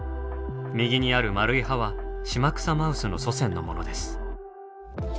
右にある丸い歯はシマクサマウスの祖先のものです。